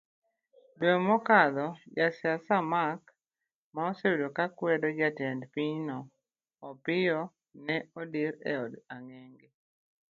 Dwe mokadho, jasiasa Mark ma osebedo kakwedo jatend pinyno Opiyo ne odir eod angech.